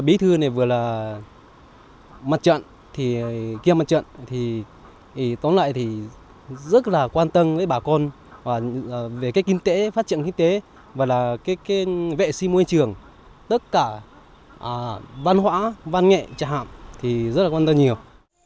bí thư này vừa là mặt trận kia mặt trận tối lại rất quan tâm với bà con về phát triển kinh tế vệ sinh môi trường tất cả văn hóa văn nghệ trạm rất quan tâm nhiều